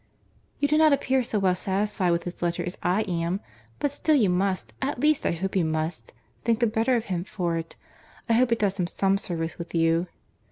"You do not appear so well satisfied with his letter as I am; but still you must, at least I hope you must, think the better of him for it. I hope it does him some service with you."